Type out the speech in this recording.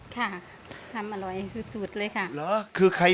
ทำอร่อยสุดเลยครับ